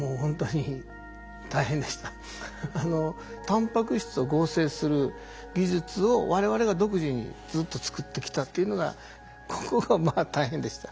タンパク質を合成する技術を我々が独自にずっと作ってきたっていうのがここがまあ大変でした。